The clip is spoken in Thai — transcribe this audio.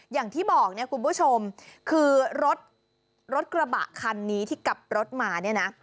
อย่างที่บอกคุณผู้ชมคือรถกระบะคันนี้ที่กลับรถมา